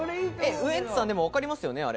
ウエンツさん、分かりますよね？